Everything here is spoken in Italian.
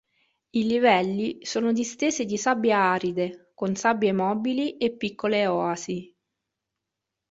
I livelli sono distese di sabbia aride, con sabbie mobili e piccole oasi.